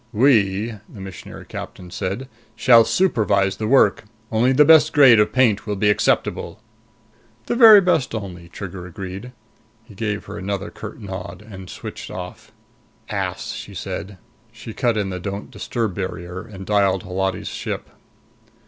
"We," the Missionary Captain said, "shall supervise the work. Only the best grade of paint will be acceptable!" "The very best only," Trigger agreed. He gave her another curt nod, and switched off. "Ass," she said. She cut in the don't disturb barrier and dialed Holati's ship.